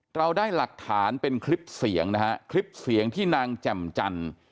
เราได้หลักฐานเป็นคลิปเสียงที่นางจำจัน